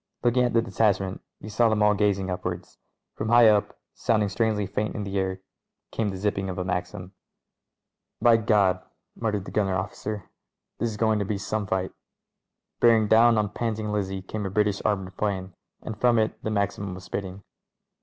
Looking at the detachment, he saw them all gazing upwards. From high up, sounding strangely faint in the air, came the zipping of a Maxim. "By Gad !" muttered the gunner officer ; "this is go ing to be some fight." Bearing down on Panting Lizzie came a British ar moured 'plane, and from it the Maxim was spitting.